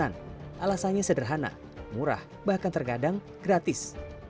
alasannya sederhana murah bahkan terkadang gratis